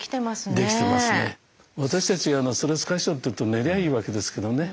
私たちストレス解消っていうと寝りゃいいわけですけどね。